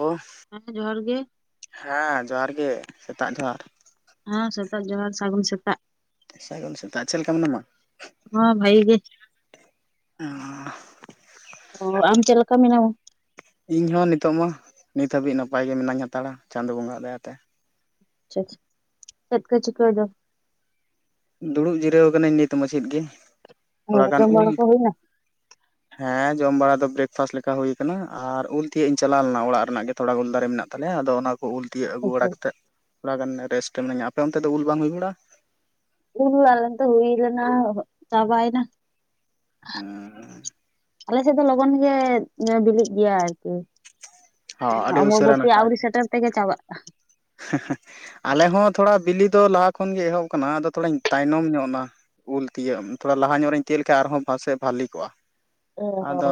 ᱚᱥᱼᱼ ᱮᱸᱜ ᱡᱚᱦᱟᱨ ᱜᱮ᱾ ᱦᱮᱸ ᱡᱚᱦᱟᱨ ᱜᱮ ᱥᱮᱛᱟᱜ ᱡᱚᱦᱟᱨ᱾ ᱦᱟᱸ ᱥᱮᱛᱟᱜ ᱡᱚᱦᱟᱨ ᱥᱟᱜᱩᱱ ᱥᱮᱛᱟᱜ᱾ ᱥᱟᱹᱜᱩᱱ ᱥᱮᱛᱟᱜ ᱪᱮᱜ ᱞᱮᱠᱟ ᱢᱮᱱᱟᱢᱟ? ᱦᱚᱸ ᱵᱷᱟᱜᱤ ᱜᱮ᱾ ᱚᱸᱻ᱾ ᱚᱼ ᱟᱢ ᱪᱮᱜ ᱞᱮᱠᱟ ᱢᱮᱱᱟᱢᱟ? ᱤᱧ ᱦᱚᱸ ᱱᱤᱛᱚᱜ ᱢᱟ ᱱᱤᱛ ᱦᱟᱹᱵᱤᱡ ᱱᱟᱯᱟᱭ ᱜᱮ ᱢᱤᱱᱟᱹᱧ ᱦᱟᱛᱟᱲᱟ ᱪᱟᱸᱫᱚ ᱵᱚᱸᱜᱟ ᱣᱟᱜ ᱫᱟᱭᱟ ᱛᱮ᱾ ᱟᱪᱪᱷᱟ ᱟᱷᱟ ᱪᱮᱫ ᱠᱚ ᱪᱤᱠᱟᱹᱭ ᱫᱚᱢ? ᱫᱩᱲᱩᱵ ᱡᱤᱨᱟᱹᱣ ᱠᱟᱹᱱᱟᱹᱧ ᱱᱤᱛ ᱢᱟᱪᱷᱮᱫ ᱜᱮ ᱚ ᱛᱷᱚᱲᱟ ᱜᱟᱱ ᱡᱚᱢ ᱩᱞᱼᱼ ᱵᱟᱲᱟ ᱠᱚ ᱦᱩᱭᱱᱟ ᱦᱮᱸ ᱡᱚᱢ ᱵᱟᱲᱟ ᱫᱚ ᱵᱽᱨᱮᱠᱯᱷᱟᱥᱴ ᱞᱮᱠᱟ ᱦᱩᱭ ᱠᱟᱱᱟ ᱟᱨ ᱩᱞ ᱛᱤᱭᱟᱹᱜ ᱤᱧ ᱪᱟᱞᱟᱣ ᱞᱮᱱᱟ ᱚᱲᱟᱜ ᱨᱮᱱᱟᱜ ᱜᱮᱼᱼ ᱛᱷᱚᱲᱟ ᱜᱩᱞ ᱫᱟᱨᱮ ᱢᱮᱱᱟᱜ ᱛᱟᱞᱮᱭᱟ ᱟᱫᱚ ᱚᱱᱟᱼᱼ ᱩᱞ ᱛᱤᱭᱟᱹᱜ ᱟᱹᱜᱩ ᱵᱟᱲᱟ ᱠᱟᱛᱮᱜ ᱛᱷᱚᱲᱟ ᱜᱟᱱ ᱨᱮᱥᱴ ᱮᱱᱟᱹᱧ, ᱟᱯᱮ ᱚᱱᱛᱮ ᱫᱚ ᱩᱞ ᱵᱟᱝ ᱦᱩᱭ ᱵᱟᱲᱟᱜ-ᱟ? ᱩᱞ‌ ᱟᱞᱮ ᱫᱚ ᱦᱩᱭ ᱞᱮᱱᱟ ᱪᱟᱵᱟᱭ ᱱᱟ᱾ ᱟᱞᱮ ᱥᱮᱜ ᱫᱚ ᱞᱚᱜᱚᱱ ᱜᱮ ᱵᱤᱞᱤᱜ ᱜᱮᱭᱟ ᱟᱨᱠᱤ᱾ ᱦᱚᱸ ᱩᱸᱻ ᱟᱹᱰᱤ ᱟᱢᱵᱟᱵᱩᱛᱤ ᱟᱣᱨᱤ ᱥᱮᱴᱮᱨ ᱛᱮᱜᱮ ᱪᱟᱵᱟᱜ-ᱟ᱾ ᱦᱮᱸᱦᱮᱸ ᱟᱞᱮ ᱦᱚᱸ ᱛᱷᱚᱲᱟ ᱵᱤᱞᱤ ᱫᱚ ᱞᱟᱦᱟ ᱠᱷᱚᱱ ᱜᱮ ᱮᱦᱚᱵ ᱠᱟᱱᱟ ᱟᱫᱚ ᱛᱷᱚᱲᱟᱧ ᱛᱟᱭᱱᱚᱢ ᱧᱚᱜ ᱱᱟ᱾ ᱩᱞ ᱛᱤᱭᱟᱹᱜ ᱛᱷᱚᱲᱟ ᱞᱟᱦᱟ ᱧᱚᱜ ᱨᱤᱧ ᱛᱤᱭᱟᱹᱜ ᱞᱮᱠᱷᱟᱡ ᱟᱨᱦᱚᱸ ᱵᱷᱟᱞᱤ ᱠᱚᱜ-ᱟ᱾ ᱚ ᱟᱫᱚᱼᱼ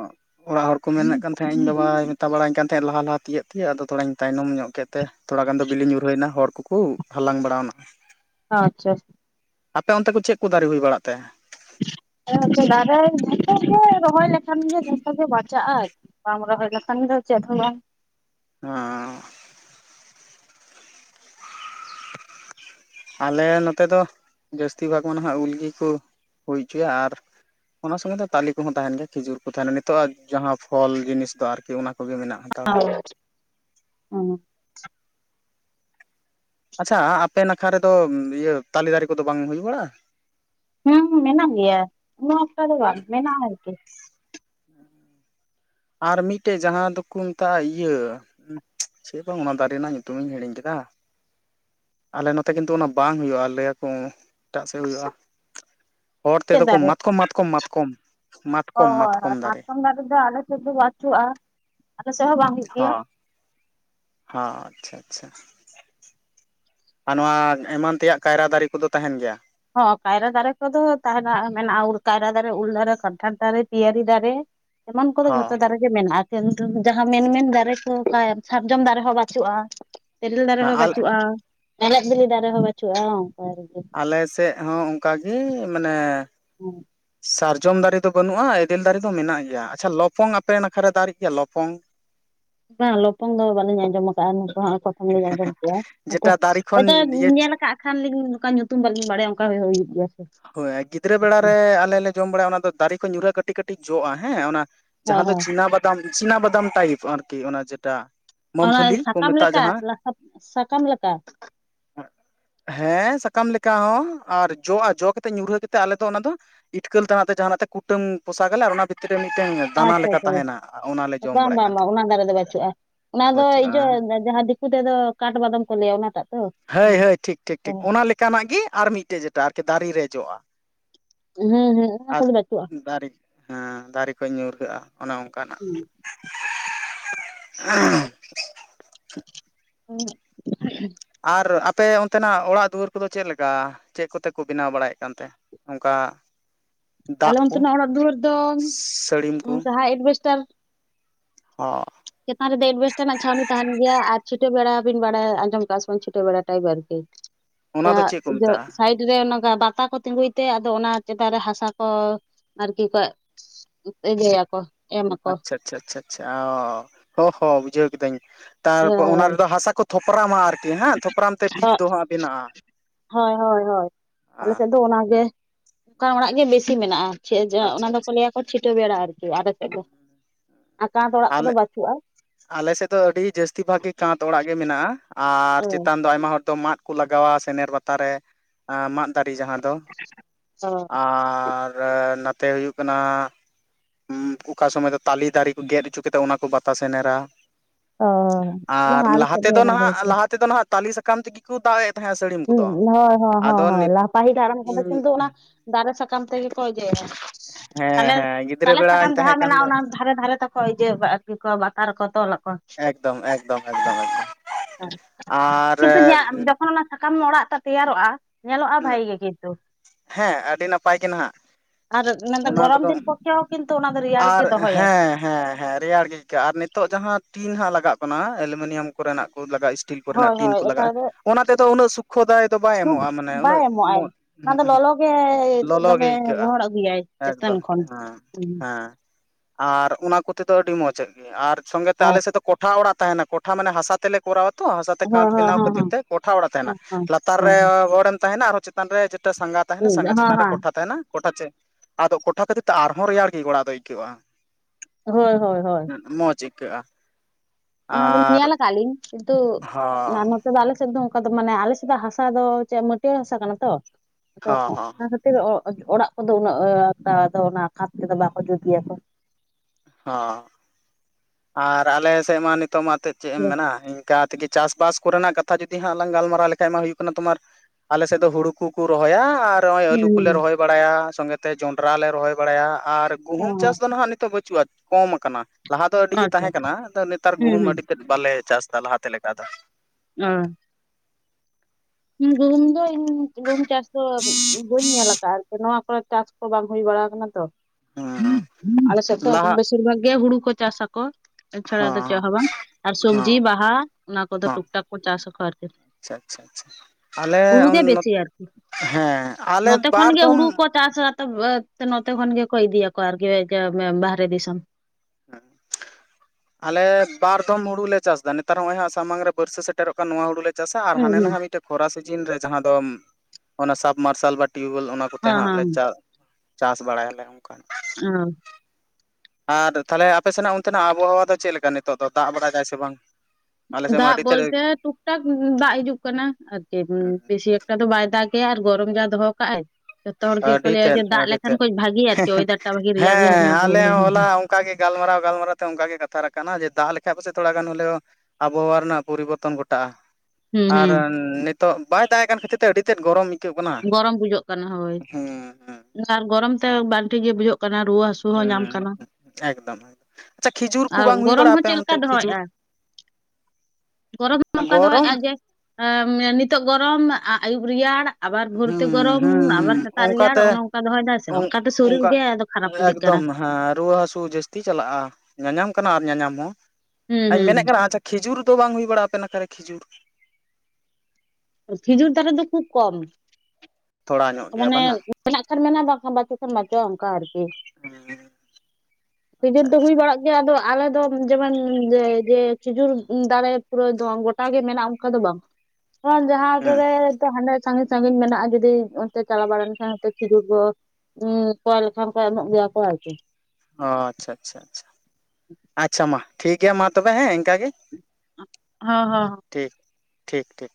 ᱚᱸᱜ ᱚᱲᱟᱜ ᱦᱚᱲ ᱠᱚ ᱢᱮᱱᱮᱜ ᱛᱟᱦᱮᱸᱜ ᱤᱧ ᱵᱟᱵᱟᱭ ᱢᱮᱛᱟ ᱵᱟᱲᱟ ᱣᱟᱹᱧ ᱠᱟᱱ ᱛᱮᱦᱮᱸᱜ ᱞᱟᱦᱟ ᱞᱟᱦᱟ ᱛᱤᱭᱟᱹᱜ᱾ ᱠᱤ‌ ᱟᱫᱚ ᱛᱷᱚᱲᱟᱧ ᱛᱟᱭᱱᱚᱢ ᱧᱚᱜ ᱠᱮᱜ ᱛᱮ ᱛᱷᱚᱲᱟ ᱜᱟᱱ ᱫᱚ ᱵᱤᱞᱤ ᱧᱩᱨᱦᱟᱹᱭ ᱱᱟ ᱦᱚᱲ ᱠᱩᱠᱩ ᱦᱟᱞᱟᱝ ᱵᱟᱲᱟᱣ ᱱᱟ᱾ ᱟᱪᱪᱷᱟ᱾ ᱟᱯᱮ ᱚᱱᱛᱮ ᱠᱚ ᱪᱮᱫ ᱠᱚ ᱫᱟᱨᱮ ᱦᱩᱭ ᱵᱟᱲᱟᱜ ᱛᱮ ᱾ ᱫᱟᱨᱮ ᱡᱷᱚᱛᱚ ᱜᱮ ᱨᱚᱦᱚᱭ ᱞᱮᱠᱷᱟᱱ ᱜᱮ ᱡᱷᱚᱛᱚ ᱜᱮ ᱵᱟᱪᱟᱜ-ᱟ ᱟᱨᱠᱤ ᱵᱟᱢ ᱨᱚᱦᱚᱭ ᱞᱮᱠᱷᱟᱱ ᱫᱚ ᱪᱮᱫ ᱦᱚᱸ ᱵᱟᱝ ᱚᱻ [unintelligible] ᱟᱞᱮ ᱱᱚᱛᱮ ᱫᱚ ᱡᱟᱹᱥᱛᱤ ᱵᱷᱟᱜᱽᱣᱟᱱ ᱦᱟᱸᱜ ᱱᱟᱦᱟᱜ ᱩᱞᱜᱮᱠᱚ ᱦᱩᱭ ᱦᱚᱪᱚᱭᱟ ᱟᱨ ᱚᱱᱟ ᱥᱚᱸᱜᱮ ᱛᱮ ᱛᱟᱞᱮ ᱠᱚᱦᱚᱸ ᱛᱟᱦᱮᱱ ᱜᱮᱭᱟ ᱠᱷᱤᱡᱩᱨ ᱠᱚ ᱛᱟᱦᱮᱱᱟ ᱜᱮ ᱱᱤᱛᱚᱜ ᱡᱟᱦᱟᱸ ᱯᱷᱚᱞ ᱡᱤᱱᱤᱥ ᱫᱚ ᱟᱨᱠᱤ ᱚᱱᱟ ᱠᱚᱜᱮ ᱢᱮᱱᱟᱜ ᱦᱟᱛᱟᱲᱟ [unintelligible] ᱟᱪᱪᱷᱟ ᱟᱯᱮ ᱱᱟᱠᱷᱟ ᱨᱮᱫᱚ ᱤᱭᱟᱹ ᱛᱟᱞᱮ ᱫᱟᱨᱮ ᱠᱚᱫᱚ ᱵᱟᱝ ᱦᱩᱭ ᱵᱟᱲᱟᱜ-ᱟ ᱦᱩᱸᱦᱩᱸ ᱢᱮᱱᱟᱜ ᱜᱮᱭᱟ ᱩᱱᱟᱹᱜ ᱴᱟᱜ ᱫᱚ ᱵᱟᱝ ᱢᱮᱱᱟᱜ-ᱟ ᱟᱨᱠᱤ ᱟᱨ ᱢᱤᱫᱴᱮᱡ ᱡᱟᱦᱟᱸ ᱫᱚᱠᱚ ᱢᱮᱛᱟᱜ-ᱟ ᱤᱭᱟᱹ ᱪᱮᱜ ᱵᱟᱝ ᱚᱱᱟ ᱫᱟᱨᱮ ᱨᱮᱱᱟᱜ ᱧᱩᱛᱩᱢᱤᱧ ᱦᱤᱲᱤᱧ ᱠᱮᱫᱟ ᱟᱞᱮ ᱱᱚᱛᱮ ᱠᱤᱱᱛᱩ ᱚᱱᱟ ᱵᱟᱝ ᱦᱩᱭᱩᱜ-ᱟ ᱞᱟᱹᱭ ᱟᱠᱚ ᱮᱴᱟᱜ ᱥᱮᱫ ᱦᱩᱭᱩᱜ-ᱟ ᱦᱚᱲ ᱛᱮᱫᱚ ᱪᱮᱫ ᱠᱚ ᱫᱟᱨᱮ ᱢᱟᱛᱠᱚᱢ ᱢᱟᱛᱠᱚᱢ ᱢᱟᱛᱠᱚᱢ ᱦᱳᱭ ᱢᱟᱛᱠᱚᱢ ᱢᱟᱛᱠᱚᱢ ᱦᱳᱭ ᱫᱟᱨᱮ ᱢᱟᱠᱚᱢ ᱫᱟᱜ ᱨᱮᱫᱚ ᱟᱞᱮ ᱥᱮᱫ ᱫᱚ ᱵᱟᱹᱪᱩᱜ-ᱟ ᱟᱞᱮ ᱥᱮᱫ ᱦᱚᱸ ᱵᱟᱝ ᱦᱩᱭᱩᱜ ᱜᱮᱭᱟ ᱦᱚᱸ ᱦᱚᱸ ᱟᱪᱪᱷᱟ ᱟᱪᱪᱷᱟ ᱟᱨ ᱱᱚᱣᱟ ᱮᱢᱟᱱ ᱛᱮᱭᱟᱜ ᱠᱟᱭᱨᱟ ᱫᱟᱨᱮ ᱠᱚᱫᱚ ᱛᱟᱦᱮᱱ ᱜᱮᱭᱟ ᱦᱚᱸ ᱠᱟᱭᱨᱟ ᱫᱟᱨᱮ ᱠᱚᱫᱚ ᱛᱟᱦᱮᱱᱟ ᱢᱮᱱᱟᱜ-ᱟ ᱩᱞ ᱠᱟᱭᱨᱟ ᱫᱟᱨᱮ ᱩᱞ ᱫᱟᱨᱮ ᱠᱟᱱᱴᱷᱟᱲ ᱫᱟᱨᱮ ᱯᱮᱤᱭᱟᱨᱤ ᱫᱟᱨᱮ ᱮᱢᱟᱱ ᱠᱚᱫᱚ ᱡᱚᱛᱚ ᱦᱚᱸ ᱫᱟᱨᱮ ᱜᱮ ᱢᱮᱱᱟᱜ-ᱟ ᱠᱤᱱᱛᱩ ᱡᱟᱦᱟᱸ ᱢᱮᱱᱢᱮᱱ ᱫᱟᱨᱮ ᱠᱚᱠ ᱥᱟᱨᱡᱚᱢ ᱫᱟᱨᱮ ᱦᱚᱸ ᱵᱟᱹᱪᱩᱜ-ᱟ ᱛᱮᱨᱮᱞ ᱫᱟᱨᱮ ᱦᱮᱸ ᱦᱚᱸ ᱟᱞᱮ ᱵᱪᱩᱜ-ᱟ ᱢᱮᱨᱫ ᱵᱤᱞᱤ ᱫᱟᱨᱮ ᱦᱚᱸ ᱵᱪᱩᱜ-ᱟ ᱚᱱᱠᱟ ᱟᱞᱮᱥᱮᱫ ᱦᱚᱸ ᱚᱱᱠᱟᱜᱮ ᱢᱟᱱᱮ [unintelligible] ᱥᱟᱨᱡᱚᱢ ᱫᱟᱨᱮ ᱫᱚ ᱵᱟᱹᱱᱩᱜ-ᱟ ᱮᱫᱮᱞ ᱫᱟᱨᱮ ᱫᱚ ᱢᱮᱱᱟᱜ ᱜᱮᱭᱟ ᱟᱪᱪᱷᱟ ᱞᱚᱯᱚᱝ ᱟᱯᱮ ᱱᱟᱠᱷᱟ ᱫᱟᱨᱮᱜ ᱜᱮᱭᱟ ᱞᱚᱯᱚᱝ ᱵᱟᱝ ᱞᱚᱯᱚᱱ ᱫᱚ ᱵᱟᱞᱤᱧ ᱟᱡᱚᱢ ᱠᱟᱫᱟ ᱞᱩᱭᱞᱟᱹ ᱟᱸᱡᱚᱡ ᱠᱮᱟ ᱡᱮᱴᱟ ᱫᱟᱨᱮ ᱠᱷᱚᱱ ᱦᱚᱭᱛᱚ ᱤᱭᱟᱹ ᱧᱮᱞ ᱠᱟᱜ ᱵᱟ ᱠᱷᱟᱱᱞᱤᱧ ᱱᱚᱱᱠᱟ ᱧᱩᱛᱩᱢ ᱵᱟᱹᱞᱤᱧ ᱵᱟᱲᱟᱭᱟ ᱚᱱᱠᱟ ᱦᱩᱭᱩᱜ ᱜᱮᱭᱟ ᱥᱮ ᱦᱳᱭ ᱜᱤᱫᱽᱨᱟᱹ ᱵᱮᱲᱟᱟᱨᱮ ᱟᱞᱮᱞ ᱞᱮ ᱡᱚᱢ ᱵᱟᱲᱟᱭᱟ ᱚᱱᱟ ᱫᱚ ᱫᱟᱨᱮ ᱠᱚ ᱧᱩᱨᱦᱟᱹᱜ-ᱟ ᱠᱟᱹᱴᱤᱡ ᱠᱟᱹᱴᱤᱡ ᱡᱚᱜ-ᱟ ᱦᱮᱸ ᱚᱱᱟ ᱦᱳᱭ ᱡᱟᱦᱟᱸ ᱫᱚ ᱦᱳᱭ ᱪᱤᱱᱟ ᱵᱟᱫᱟᱢ ᱪᱤᱱᱟ ᱵᱟᱫᱟᱢ ᱴᱟᱭᱤᱯ ᱟᱨᱠᱤ ᱚᱱᱟ ᱡᱮᱴᱟ ᱚᱱᱟ ᱢᱩᱢᱯᱷᱚᱞᱤ ᱠᱚ ᱥᱟᱠᱟᱢ ᱢᱮᱛᱟᱜᱼᱟ ᱞᱮᱠᱟ ᱡᱟᱦᱟᱸ ᱥᱟᱠᱟᱢ ᱞᱮᱠᱟ ᱦᱮᱸ ᱥᱟᱠᱟᱢ ᱞᱮᱠᱟ ᱦᱚᱸ ᱟᱨ ᱡᱚᱜ-ᱟ ᱡᱚ ᱠᱟᱛᱮ ᱧᱩᱨᱦᱟᱹ ᱠᱟᱛᱮ ᱟᱞᱮ ᱫᱚ ᱚᱱᱟ ᱫᱚ ᱤᱴᱠᱟᱹᱞ ᱛᱟᱱᱟᱜ ᱛᱮ ᱡᱟᱦᱟ ᱛᱮ ᱠᱩᱴᱟᱹᱢ ᱯᱚᱥᱟᱜ ᱟᱞᱞᱮ ᱚᱱᱟ ᱵᱷᱤᱛᱨᱤ ᱨᱮ ᱢᱤᱫᱴᱮᱱ ᱟᱪᱪᱷᱟ ᱟᱪᱪᱷᱟ ᱵᱟᱝ ᱵᱟᱝ ᱛᱟᱦᱮᱸᱫ ᱚᱱᱟ ᱫᱟᱨᱮ ᱫᱚ ᱵᱟᱹᱪᱩᱜ-ᱟ ᱚᱱᱟ ᱫᱚ ᱵᱟᱹᱪᱩᱜᱼᱟ ᱤᱭᱟᱹ ᱡᱟᱦᱟᱸ ᱫᱤᱠᱩ ᱛᱮᱫᱚ ᱠᱟᱴ ᱵᱟᱫᱚᱢ ᱠᱚ ᱞᱟᱹᱭᱟ ᱚᱱᱟᱴᱟᱜ ᱛᱚ ᱦᱳᱭ ᱦᱮᱸ ᱦᱳᱭ ᱴᱷᱤᱠ ᱴᱷᱤᱠ ᱴᱷᱤᱠ ᱚᱱᱟ ᱞᱮᱠᱟᱱᱟᱜ ᱜᱮ ᱟᱨ ᱢᱤᱫᱴᱮᱡ ᱡᱮᱴᱟ ᱟᱨᱠᱤ ᱫᱟᱨᱮ ᱨᱮ ᱡᱚᱜ-ᱟ [unintelligible] ᱟᱨ ᱠᱚᱫᱚ ᱵᱟᱹᱪᱩᱜᱼᱟ ᱫᱟᱨᱮ ᱦᱮᱸ ᱫᱟᱨᱮ ᱠᱷᱚ ᱧᱩᱨᱦᱟᱹᱜ-ᱟ ᱚᱱᱮ ᱚᱱᱠᱟᱱᱟᱜ ᱦᱮᱸ, [inaudible] [unintelligible] ᱟᱨ ᱟᱯᱮ ᱚᱱᱛᱮᱱᱟᱜ ᱚᱲᱟᱜ ᱫᱩᱣᱟᱹᱨ ᱠᱚᱫᱚ ᱪᱮᱫ ᱞᱮᱠᱟ ᱪᱮᱫ ᱠᱚᱛᱮ ᱠᱚ ᱵᱮᱱᱟᱣ ᱵᱟᱲᱟᱭᱮᱫ ᱠᱟᱱᱛᱮ ᱚᱱᱠᱟ ᱫᱟᱜ ᱟᱞᱮ ᱠᱚ ᱚᱱᱛᱮᱱᱟᱜ ᱚᱲᱟᱜ ᱫᱩᱣᱟᱹᱨ ᱫᱚ ᱥᱟᱹᱲᱤᱢ ᱠᱚ ᱡᱟᱦᱟᱸ ᱮᱰᱵᱮᱥᱴᱟᱨ ᱚ ᱪᱮᱛᱟᱱ ᱨᱮᱫᱚ ᱮᱴᱵᱮᱥᱴᱟ ᱪᱷᱟᱣᱤ ᱛᱟᱦᱮᱱ ᱜᱮᱭᱟ ᱟᱨ ᱪᱷᱤᱴᱟᱹᱣ ᱵᱮᱲᱟ ᱵᱤᱱ ᱵᱟᱲᱟᱭ ᱟᱸᱡᱚᱢ ᱠᱟᱜ ᱥᱮ ᱵᱟᱝ ᱪᱷᱤᱴᱟᱹ ᱵᱮᱲᱟ ᱴᱟᱭᱤᱯ ᱟᱨᱠᱤ ᱚᱱᱟ ᱫᱚ ᱪᱮᱫ ᱠᱚ ᱡᱟᱦᱟᱸ [unintelligible] ᱢᱮᱛᱟᱜᱼᱟ? ᱥᱟᱭᱤᱴ ᱵᱟᱛᱟ ᱠᱚ ᱛᱤᱸᱜᱩᱭ ᱛᱮ ᱟᱫᱚ ᱚᱱᱟ ᱪᱮᱛᱟᱱ ᱨᱮ ᱦᱟᱥᱟ ᱠᱚ ᱟᱨᱠᱤ ᱤᱭᱟᱹᱭ [unintelligible] ᱠᱚ ᱮᱢ ᱟᱠᱚ ᱟᱪᱪᱷᱟ ᱟᱪᱪᱷᱟ ᱚ ᱦᱚᱸ ᱵᱩᱡᱷᱟᱹᱣ ᱠᱤᱫᱟᱹᱧ ᱛᱟᱨᱯᱚᱨ ᱚᱱᱟ ᱨᱮᱫᱚ ᱦᱟᱥᱟ ᱠᱚ ᱛᱷᱚᱯᱨᱟᱢᱟ ᱟᱨᱠᱤ ᱦᱮᱸ ᱛᱷᱯᱨᱟᱢ ᱛᱮ ᱵᱤᱛ ᱫᱚ ᱦᱟᱸᱜ ᱵᱮᱱᱟᱜ-ᱟ ᱦᱳᱭ ᱦᱳᱭ ᱦᱳᱭ ᱟᱞᱮ ᱥᱮᱫ ᱫᱚ ᱚᱱᱟᱜᱮ ᱚᱠᱟᱱ ᱚᱲᱟᱜ ᱜᱮ ᱵᱮᱥᱤ ᱢᱮᱱᱟᱜ-ᱟ ᱪᱮᱜ ᱡᱮ ᱟᱪᱪᱷᱟ ᱚᱱᱟ ᱫᱚ ᱠᱚ ᱟᱪᱪᱷᱟ ᱞᱟᱹᱭᱟ ᱠᱚ ᱪᱷᱤᱴᱟᱹ ᱵᱮᱲᱟ ᱟᱨᱠᱤ ᱟᱫᱚ ᱛᱮᱫ ᱫᱚ᱾ ᱟᱻ ᱠᱟᱸᱛ ᱚᱲᱟᱜ ᱠᱚ ᱫᱚ ᱵᱟᱹᱪᱩᱜ-ᱟ? ᱟᱞ ᱥᱮᱫ ᱫᱚ ᱟᱹᱰᱤ ᱡᱟᱹᱥᱛᱤ ᱵᱷᱟᱜ ᱜᱮ ᱠᱟᱸᱛ ᱚᱲᱟᱜ ᱜᱮ ᱢᱮᱱᱟᱜ-ᱟ ᱟᱨ ᱚ ᱪᱮᱛᱟᱱ ᱫᱚ ᱟᱭᱢᱟ ᱦᱚᱲ ᱫᱚ ᱢᱟᱫ᱾ ᱠᱩ ᱞᱟᱜᱟᱣᱟ ᱥᱮᱱᱮᱨ ᱵᱟᱛᱟ ᱨᱮ ᱢᱟᱫ ᱫᱟᱨᱤ ᱡᱟᱦᱟᱸ ᱫᱚ᱾ [unintelligible] ᱟᱻᱨ ᱱᱟᱛᱮ ᱦᱩᱭᱩᱜ ᱠᱟᱱᱟ ᱩᱠᱟ ᱥᱚᱢᱚᱭ ᱫᱚ ᱛᱟᱞᱤ ᱫᱟᱨᱤ ᱠᱩ ᱜᱮᱫ ᱩᱪᱚ ᱠᱟᱛᱮᱫ ᱚᱱᱟ ᱠᱚ ᱵᱟᱛᱟ ᱥᱮᱱᱮᱨᱟ᱾ ᱟᱨ ᱵᱟᱝ ᱟᱞᱮ ᱞᱟᱦᱟ ᱥᱮᱫ ᱛᱮ ᱫᱚ ᱚᱱᱟ ᱱᱟᱦᱟᱜ ᱵᱟᱹᱪᱩᱜᱼᱟ ᱞᱟᱦᱟ ᱛᱮ ᱫᱚ ᱱᱟᱦᱱᱟᱜ ᱛᱟᱞᱮ ᱥᱟᱠᱟᱢ ᱛᱤᱜᱤ ᱠᱩ ᱫᱟᱜ ᱮᱜ ᱦᱩᱸ ᱦᱩᱸ ᱦᱚᱸ ᱦᱚᱸ ᱞᱟᱦᱟ ᱯᱟᱦᱤᱞᱟᱜ ᱟᱨᱟᱢ ᱠᱚ ᱫᱚ ᱤᱧ ᱠᱤᱱᱛᱩ ᱚᱱᱟ ᱫᱟᱨᱮ ᱥᱟᱠᱟᱢ ᱛᱮ ᱜᱮ ᱠᱚ ᱤᱭᱟᱹᱭᱟ ᱦᱮᱸ ᱦᱟᱱᱮ ᱦᱮᱸ ᱜᱤᱫᱽᱨᱟᱹ ᱛᱟᱞᱮ ᱵᱮᱲᱟᱧ ᱥᱟᱠᱟᱢ ᱛᱟᱦᱮᱸ ᱡᱟᱦᱟᱸ ᱠᱟᱱ ᱢᱮᱱᱟᱜ-ᱟ ᱫᱚ ᱚᱱᱟ ᱫᱷᱟᱨᱮ ᱫᱷᱟᱨᱮ ᱛᱮᱠᱚ ᱤᱡᱟᱹ ᱵᱟ ᱟᱨᱠᱤ ᱠᱚ ᱵᱟᱛᱟ ᱨᱮ ᱠᱚ ᱛᱚᱞᱟᱠᱚ᱾ ᱮᱠᱫᱚᱢ ᱮᱠᱫᱚᱢ ᱮᱠᱫᱚᱢ ᱮᱠᱫᱚᱢ ᱟᱨ ᱠᱤᱱᱛᱩ ᱧᱟᱸ ᱡᱚᱠᱷᱚᱱ ᱚᱱᱟ ᱥᱟᱠᱟᱢ ᱚᱲᱟᱜ ᱴᱟᱜ ᱛᱮᱭᱟᱨᱚᱜ-ᱟ ᱧᱮᱞᱚᱜ-ᱟ ᱦᱩᱸ ᱵᱷᱟᱜᱤ ᱜᱮ ᱠᱤᱱᱛᱩ᱾ ᱦᱮᱸ ᱟᱹᱰᱤ ᱱᱟᱯᱟᱭ ᱜᱮ ᱱᱟᱦᱟᱜ᱾ ᱟᱨ ᱢᱮᱱᱫᱟ ᱚᱱᱟ ᱜᱚᱨᱚᱢ ᱠᱚᱫᱚ ᱫᱤᱱ ᱯᱚᱠᱠᱷᱮ ᱦᱚᱸ ᱠᱤᱱᱛᱩ ᱚᱱᱟ ᱫᱚ ᱨᱮᱭᱟᱨ ᱜᱮ ᱟᱨ ᱫᱚᱦᱚᱭᱟᱭ᱾ ᱦᱮᱸ ᱦᱮᱸ ᱦᱮᱸ ᱨᱮᱭᱟᱲ ᱜᱮ ᱤᱹᱭᱠᱟᱹᱜ-ᱟ ᱟᱨ ᱱᱤᱛᱚᱜ ᱡᱟᱦᱟᱸ ᱴᱤᱱ ᱦᱟᱜ ᱞᱟᱜᱟᱜ ᱠᱟᱱᱟ ᱮᱞᱳᱢᱤᱱᱤᱭᱟᱢ ᱠᱚᱨᱮᱱᱟᱜ ᱠᱩ ᱞᱟᱜᱟᱜ-ᱟ ᱤᱥᱴᱤᱞ ᱠᱚᱨᱮᱱᱟᱜ ᱦᱳᱭ ᱴᱤᱱ ᱦᱳᱭ ᱠᱩ ᱮᱠᱟᱞ ᱞᱟᱜᱟᱜ-ᱟ ᱜᱮ ᱚᱱᱟ ᱛᱮ ᱫᱚ ᱩᱱᱟᱹᱜ ᱥᱩᱠᱠᱷᱚ ᱫᱟᱭ ᱫᱚ ᱵᱟᱭ ᱥᱩᱯ ᱮᱢᱚᱜ-ᱟ ᱢᱟᱱᱮ ᱵᱟᱭ ᱩᱱᱟᱹᱜ ᱮᱢᱚᱜᱼᱟᱭ ᱢᱚᱸᱫ ᱚᱱᱟ ᱫᱚ [unintelligible] ᱞᱚᱞᱚ ᱜᱮ ᱞᱚᱞᱚᱜ ᱫᱚᱢᱮ ᱜᱮ ᱟᱹᱭᱠᱟᱹᱜ-ᱟ ᱜᱚᱦᱚᱲ ᱟᱹᱜᱩᱭᱟᱭ ᱪᱮᱛᱟᱱ ᱮᱠᱫᱚᱢ ᱠᱷᱚᱱ ᱦᱮᱸ᱾ ᱦᱮᱸ, ᱟᱨ ᱚᱱᱟ ᱠᱚ ᱛᱮ ᱫᱚ ᱟᱹᱰᱤ ᱢᱚᱡᱽ ᱮᱜ-ᱜᱮ ᱟᱨ ᱥᱚᱸᱜᱮ ᱛᱮ ᱟᱨ ᱟᱞᱮ ᱥᱮᱫ ᱫᱚ ᱠᱚᱴᱷᱟ ᱚᱲᱟᱜ ᱛᱟᱦᱮᱱᱟ ᱠᱚᱴᱷᱟ ᱢᱟᱱᱮ ᱦᱟᱥᱟ ᱛᱮᱞᱮ ᱠᱚᱨᱟᱣᱟᱛᱚ ᱦᱟᱥᱟ ᱛᱮ ᱦᱚᱸ ᱠᱟᱸᱛ ᱦᱚᱸ ᱵᱮᱱᱟᱣ ᱦᱚᱸ ᱠᱷᱟᱹᱛᱤᱨ ᱦᱚᱸ ᱛᱮ ᱠᱚᱴᱷᱟ ᱚᱲᱟ ᱛᱟᱦᱮᱱᱟ ᱦᱚᱸ ᱦᱚᱸ ᱞᱟᱛᱟᱨ ᱦᱚᱸ ᱨᱮ ᱦᱚᱲᱮᱢ ᱛᱟᱦᱮᱱᱟ ᱟᱨᱦᱚᱸ ᱪᱮᱛᱟᱱ ᱨᱮ ᱡᱮᱴᱟ ᱥᱟᱸᱜᱟ ᱛᱟᱦᱮᱱᱟ ᱥᱟᱸᱜᱟ ᱪᱮᱛᱟᱱ ᱨᱮ ᱦᱚᱸ ᱠᱴᱷᱟ ᱛᱟᱦᱮᱱᱟ ᱠᱚᱴᱷᱟ ᱪᱮᱜ ᱟᱫᱚ ᱠᱚᱴᱷᱟ ᱠᱷᱟᱹᱛᱤᱨ ᱛᱮ ᱟᱨᱦᱚᱸ ᱨᱮᱭᱟᱲ ᱜᱮ ᱚᱲᱟᱜ ᱫᱚ ᱟᱹᱭᱠᱟᱹᱜ-ᱟ ᱦᱳᱭ ᱦᱳᱭ ᱦᱳᱭ ᱢᱚᱸᱡᱽ ᱟᱹᱭ ᱠᱟᱹᱜ-ᱟ᱾ ᱚᱱᱟ ᱫᱚᱞᱤᱧ ᱧᱮᱞ ᱟᱠᱟᱜ-ᱟᱞᱤᱧ ᱠᱤᱱᱛᱩ ᱦᱚᱸ [unintelligible] ᱛᱚᱵᱮ ᱟᱞᱮ ᱥᱮᱫ ᱫᱚ ᱚᱝᱠᱟ ᱫᱚ ᱢᱟᱱᱮ ᱟᱞᱮ ᱥᱮᱫ ᱫᱚ ᱦᱟᱥᱟ ᱫᱚ ᱪᱮᱜ ᱢᱟᱹᱴᱭᱟᱹᱲ ᱦᱟᱥᱟ ᱠᱟᱱᱟ ᱛᱚ ᱟᱫᱚ ᱦᱚᱸ ᱦᱚᱸ ᱚᱱᱟ ᱠᱷᱟᱹᱛᱤ ᱛᱤᱨ ᱚᱸ ᱚᱲᱟᱜ ᱠᱚ ᱫᱚ ᱩᱱᱟᱹᱜ ᱠᱟ ᱫᱚ ᱚᱱᱟ ᱠᱟᱸᱫ ᱛᱮ ᱫᱚ ᱵᱟᱠᱚ ᱡᱩᱫ ᱜᱮᱭᱟ ᱠᱚ᱾ ᱦᱚ ᱟᱨ ᱟᱞᱮ ᱥᱮᱜ ᱢᱟ ᱱᱤᱛᱚᱜ ᱢᱟᱛᱚ ᱪᱮᱜ ᱮᱢ ᱦᱩᱸ ᱢᱮᱱᱟ ᱤᱧ ᱠᱟᱛᱮ ᱜᱮ ᱪᱟᱥ-ᱵᱟᱥ ᱠᱚᱨᱮ ᱱᱟᱜ ᱠᱟᱛᱷᱟ ᱡᱩᱫᱤ ᱦᱟᱸᱜ ᱞᱟᱝ ᱜᱟᱞᱢᱟᱨᱟᱣ ᱞᱮᱠᱷᱟᱡ ᱢᱟ ᱦᱩᱭᱩᱜ ᱠᱟᱱᱟ ᱛᱳᱢᱟᱨ ᱟᱞᱮ ᱥᱮᱫ ᱫᱚ ᱦᱩᱲᱩ ᱠᱩ ᱠᱩ ᱨᱚᱦᱚᱭᱟ ᱟᱨ ᱱᱚᱜ-ᱚᱭ ᱟᱹᱞᱩ ᱠᱚ ᱞᱮ ᱦᱩᱸ ᱨᱚᱦᱚᱭ ᱵᱟᱲᱟᱭᱟ ᱥᱚᱸᱜᱮ ᱛᱮ ᱡᱚᱸᱰᱨᱟ ᱞᱮ ᱨᱚᱦᱚᱭ ᱵᱟᱲᱟᱭᱟ ᱟᱨ ᱚ ᱜᱩᱦᱩᱢ ᱪᱟᱥ ᱫᱚ ᱱᱟᱦᱟᱜ ᱱᱤᱛᱚᱜ ᱪᱩᱜ-ᱟ ᱠᱚᱢ ᱠᱟᱱᱟ ᱞᱟᱦᱟ ᱫᱚ ᱟᱹᱰᱤ ᱜᱮ ᱟᱪᱪᱷᱟ ᱛᱟᱦᱮᱸ ᱠᱟᱱᱟ ᱟᱫᱚ ᱱᱮᱛᱟᱨ ᱦᱩᱸ ᱜᱩᱦᱩᱢ ᱦᱩᱸ ᱟᱹᱰᱤ ᱛᱮᱫ ᱵᱟᱞᱮ ᱪᱟᱥ ᱫᱟ ᱞᱟᱦᱟ ᱛᱮ ᱞᱮᱠᱟ ᱫᱚ᱾ ᱚ ᱜᱩᱦᱩᱢ ᱫᱚ ᱤᱧ ᱜᱩᱦᱩᱢ ᱪᱟᱥ ᱫᱚ ᱵᱟᱹᱧ ᱧᱮᱞ ᱟᱠᱟᱜ-ᱟ ᱟᱨᱠᱤ ᱱᱚᱣᱟ ᱴᱟᱪ ᱠᱚ ᱵᱟᱝ ᱦᱩᱭ ᱵᱟᱲᱟᱣ ᱠᱟᱱᱟ ᱛᱚ ᱦᱮᱸ ᱟᱞᱮ ᱥᱮᱜ ᱫᱚ ᱵᱮᱥ ᱞᱟᱦᱟ ᱵᱤᱥᱤᱨ ᱵᱷᱟᱜ ᱜᱮ ᱦᱩᱲᱩ ᱠᱚ ᱪᱟᱥ ᱟᱠᱚ᱾ ᱪᱷᱟᱲᱟ ᱫᱚ ᱪᱮᱜ ᱦᱚᱸ ᱵᱟᱝ ᱟᱨ ᱦᱚᱸ ᱥᱚᱵᱽᱡᱤ ᱵᱟᱦᱟ ᱚᱱᱟ ᱠᱚ ᱫᱚ ᱦᱚᱸ ᱴᱩᱠ-ᱴᱟᱠ ᱠᱚ ᱪᱟᱥ ᱟᱠᱚ ᱟᱨ ᱠᱤ᱾ ᱟᱪᱪᱷᱟ ᱟᱪᱪᱷᱟ ᱟᱪᱪᱷᱟ ᱟᱞᱮ ᱚᱸᱱ ᱱᱚᱛ ᱵᱮᱥᱤ ᱟᱨᱠᱤ ᱦᱮᱸ᱾ ᱟᱞᱮ ᱱᱚᱛᱮ ᱠᱷᱚᱱ ᱵᱟᱨ ᱜᱮ ᱦᱩᱲᱩ ᱫᱚᱢ ᱠᱚ ᱪᱟᱥᱟ ᱛᱚ ᱱᱚᱛᱮ ᱠᱷᱚᱱ ᱜᱮ ᱠᱚ ᱤᱫᱤᱭᱟ ᱠᱚ ᱟᱨ ᱠᱤ ᱵᱟᱦᱨᱮ ᱫᱤᱥᱚᱢ [unintelligible] ᱟᱞᱮ ᱵᱟᱨ ᱫᱚᱢ ᱦᱩᱲᱩ ᱞᱮ ᱪᱟᱥ ᱫᱟ ᱱᱮᱛᱟᱨ ᱦᱚᱜ-ᱚᱭ ᱦᱟᱸ ᱥᱟᱢᱟᱝ ᱨᱮ ᱵᱟᱹᱨᱥᱟᱹ ᱥᱮᱴᱮᱨᱚᱜ ᱠᱟᱱ ᱱᱚᱣᱟ ᱦᱩᱲᱩ ᱞᱮ ᱪᱟᱥᱟ ᱟᱨ ᱦᱩᱸ ᱦᱟᱱᱮ ᱦᱩᱸ ᱱᱟᱦᱟᱜ ᱢᱤᱜᱴᱮᱜ ᱠᱷᱚᱨᱟ ᱥᱤᱡᱤᱱ ᱨᱮ, ᱡᱟᱦᱟᱸ ᱫᱚᱢ ᱚᱱᱟ ᱥᱟᱵ ᱢᱟᱨᱥᱟᱞ ᱵᱟ ᱴᱤᱭᱩᱵᱮᱞ ᱚᱱᱟ ᱠᱚ ᱛᱮ ᱦᱟᱸᱜ ᱞᱮ ᱦᱮᱸ ᱪᱟ ᱪᱟᱥ ᱵᱟᱲᱟᱭᱟᱞᱮ ᱚᱝᱠᱟ᱾ ᱩᱸ, ᱟᱨ ᱛᱷᱟᱞᱮ ᱟᱯᱮ ᱥᱮᱱᱟᱜ ᱚᱱᱛᱮᱱᱟᱜ ᱟᱵᱚᱦᱟᱣᱟ ᱫᱚ ᱪᱮᱜ ᱞᱮᱠᱟ ᱱᱤᱛᱚᱜ ᱫᱚ, ᱫᱟᱜ ᱵᱟᱲᱟᱭ ᱫᱟᱭ ᱥᱮ ᱵᱟᱝ? ᱟᱞᱮ ᱥᱮᱫ ᱢᱟ ᱫᱟᱜ ᱟᱹᱰᱤ ᱛᱮᱫ ᱵᱳᱞᱛᱮ ᱴᱩᱠ ᱦᱚᱴᱟᱠ ᱫᱟᱜ ᱦᱤᱡᱩᱜ ᱠᱟᱱᱟ ᱟᱨᱠᱤ ᱵᱤᱥᱤ ᱮᱠᱴᱟ ᱫᱚ ᱵᱟᱭ ᱫᱟᱜᱮ ᱟᱭᱟ ᱟᱨ ᱜᱚᱨᱚᱢ ᱡᱟ ᱫᱚᱦᱚ ᱟᱠᱟᱜ-ᱟᱭ᱾ ᱟᱹᱰᱤ ᱛᱮᱫ ᱟᱹᱰᱤ ᱛᱮᱜ ᱵᱷᱟᱜᱤ ᱟᱨᱠᱤ ᱦᱮᱸ-ᱦᱮᱸ ᱚᱭᱮᱫᱟᱨ ᱴᱟᱜ ᱵᱷᱟᱜᱤ ᱨᱮᱭᱟᱲ ᱨᱮᱭᱟᱲ ᱦᱮᱸᱻ ᱧᱚᱜ ᱟᱞᱮ ᱫᱚᱦᱚᱭᱟᱭ ᱶᱚ ᱦᱚᱞᱟ ᱚᱝ ᱚᱱᱠᱟ ᱜᱮ ᱜᱟᱞᱢᱟᱨᱟᱣ ᱜᱟᱞᱢᱟᱨᱟᱣ ᱛᱮ ᱚᱱᱠᱟ ᱜᱮ ᱠᱟᱛᱟ ᱨᱟᱠᱟ ᱠᱟᱱᱟ ᱡᱮ ᱫᱟᱜ ᱞᱮᱠᱟᱱ ᱟᱯᱮ ᱥᱮᱱ ᱛᱷᱚᱲᱟ ᱜᱟᱱᱮ [unintelligible] ᱟᱵᱚᱦᱟᱣᱟ ᱨᱮᱱᱟᱜ ᱯᱚᱨᱤᱵᱚᱨᱛᱚᱱ ᱜᱷᱚᱴᱟᱜ-ᱟ ᱦᱩᱸ ᱟᱨ ᱦᱩᱸ ᱱᱤᱛᱚᱜ ᱵᱟᱭ ᱫᱟᱜ ᱮᱫ ᱠᱷᱟᱹᱛᱤᱨ ᱛᱮ ᱟᱹᱰᱤ ᱛᱮᱫ ᱜᱚᱨᱚᱢ ᱟᱹᱭᱠᱟᱹᱜ ᱠᱟᱱᱟ ᱜᱚᱨᱚᱢ ᱵᱩᱡᱷᱟᱹᱜ ᱠᱟᱱᱟ ᱦᱳᱭ ᱦᱮᱸ ᱦᱮᱸ ᱟᱨ ᱜᱚᱨᱚᱢ ᱛᱮ ᱵᱟᱝ ᱴᱷᱤᱠ ᱜᱮ ᱵᱩᱡᱷᱟᱹᱜ ᱠᱟᱱᱟ ᱨᱩᱣᱟᱹ ᱦᱟᱹᱥᱩ [unintelligible] ᱦᱚᱸ ᱧᱟᱢ ᱦᱮᱸ ᱠᱟᱱᱟ ᱮᱠᱫᱚᱢ ᱟᱪᱪᱷᱟ ᱠᱷᱤᱡᱩᱨ ᱠᱚ ᱟᱨ ᱵᱟᱝ ᱦᱩᱭ ᱜᱚᱨᱚᱢ ᱵᱟᱲᱟᱜ-ᱟ ᱦᱚᱸ ᱟᱯᱮ ᱪᱮᱫ ᱚᱱᱛᱮ ᱞᱮᱠᱟ ᱠᱷᱤᱡᱩᱨ ᱫᱚᱦᱚᱭᱮᱜᱼᱟ ᱜᱚᱨᱚᱢ ᱦᱚᱸ ᱱᱚᱝᱠᱟ ᱜᱚᱨᱚᱢ ᱫᱚᱦᱚᱭᱮᱫᱼᱟ ᱡᱮ ᱱᱤᱛᱳᱜ ᱜᱚᱨᱚᱢ ᱟᱹᱭᱩᱵ ᱨᱮᱭᱟᱲ ᱟᱵᱟᱨ ᱵᱷᱳᱨᱛᱮ ᱦᱩᱸ ᱦᱩᱸ ᱜᱚᱨᱚᱢ ᱟᱵᱟᱨ ᱦᱩᱸ ᱥᱮᱛᱟᱜ ᱨᱮᱭᱟᱲ ᱚᱱᱠᱟᱛᱮ ᱚᱱᱮ ᱚᱱᱠᱟ ᱫᱚᱦᱚᱭᱮᱫᱟ ᱥᱮ ᱚᱱᱠᱟᱛᱮ ᱥᱚᱨᱤᱨ ᱚᱱᱠᱟ ᱜᱮ ᱠᱷᱟᱨᱟᱯ ᱤᱫᱤᱜ ᱠᱟᱱᱟ ᱮᱠᱫᱚᱢ ᱦᱮᱸ ᱨᱩᱣᱟ ᱦᱟᱥᱩ ᱡᱟᱥ ᱛᱤ ᱪᱟᱞᱟᱜᱼᱟ ᱧᱟᱧᱟᱢ ᱠᱟᱱᱟ ᱟᱨ ᱧᱟᱧᱟᱢ ᱦᱚᱸ ᱦᱩᱸ ᱟᱧ ᱦᱩᱸ ᱢᱮᱱᱮᱫ ᱠᱟᱱᱟ ᱟᱪᱪᱷᱟ ᱠᱷᱮᱡᱩᱨ ᱫᱚ ᱵᱟᱝ ᱦᱩᱭ ᱵᱟᱲᱟ-ᱟ ᱟᱯᱮ ᱱᱟᱠᱷᱟᱨᱮ ᱠᱷᱮᱡᱩᱨ ᱠᱷᱤᱡᱩᱨ ᱫᱟᱨᱮ ᱫᱚ ᱠᱷᱩᱵ ᱠᱚᱢ ᱛᱷᱚᱲᱟ ᱧᱚᱜ ᱜᱮᱭᱟ ᱢᱟᱱᱮ ᱵᱟᱝᱟ ᱢᱮᱱᱟᱜ ᱠᱷᱟᱱ ᱢᱮᱱᱟ ᱵᱟᱝᱠᱷᱟᱱ ᱵᱟᱪᱩ ᱠᱷᱟᱱ ᱵᱟᱪᱚᱜᱼᱟ ᱚᱱᱠᱟ ᱟᱨᱠᱤ ᱦᱩᱸ ᱠᱷᱤᱡᱩᱨ ᱟᱪᱪᱷᱟ ᱫᱚ ᱦᱩᱭ ᱟᱪᱪᱷᱟ ᱵᱟᱲᱟᱜ ᱜᱮ ᱟᱫᱚ ᱟᱞᱮ ᱫᱚ ᱡᱮᱢᱚᱱ ᱡᱮ ᱡᱮ ᱠᱷᱤᱡᱩᱨ ᱫᱟᱨᱮ ᱯᱩᱨᱟᱹ ᱫᱚ ᱜᱚᱴ ᱜᱚᱴᱟ ᱜᱮ ᱢᱮᱱᱟᱜᱼᱟ ᱚᱱᱠᱟ ᱫᱚ ᱵᱟᱝ ᱡᱟᱦᱟᱸ ᱦᱮᱸ ᱨᱮ ᱦᱟᱸᱰᱮ ᱥᱟᱺᱜᱤᱧ ᱥᱟᱺᱜᱤᱧ ᱢᱮᱱᱟᱜᱼᱟ ᱡᱩᱫᱤ ᱪᱟᱞᱟᱣ ᱵᱟᱲᱟ ᱞᱮᱱᱠᱷᱟᱱ ᱠᱷᱤᱡᱩᱨ ᱠᱚᱭ ᱞᱮᱠᱷᱟᱱ ᱠᱚ ᱮᱢᱚᱜ ᱜᱮᱭᱟ ᱠᱚ ᱟᱨᱠᱤ ᱚ ᱟᱪᱪᱷᱟ ᱟᱪᱪᱷᱟ ᱟᱪᱪᱷᱟ ᱟᱪᱪᱷᱟ ᱢᱟ ᱴᱷᱤᱠ ᱜᱮᱭᱟ ᱢᱟ ᱛᱚᱵᱮ ᱦᱮᱸ ᱤᱱᱠᱟ ᱜᱮ ᱦᱚ ᱦᱚ ᱴᱷᱤᱠ ᱴᱷᱤᱠ ᱴᱷᱤᱠ